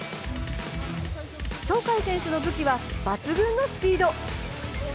鳥海選手の武器は抜群のスピード。